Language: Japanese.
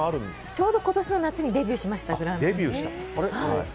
ちょうど今年の夏にデビューしました。